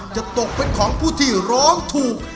จะตกเป็นของผู้ที่ร้องถูก